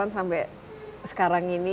sembilan puluh delapan sampai sekarang ini